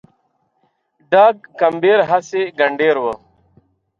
ډاګ کمبېر هسي ګنډېر و